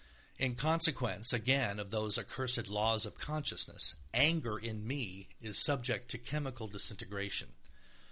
In consequence again of those accursed laws of consciousness, anger in me is subject to chemical disintegration.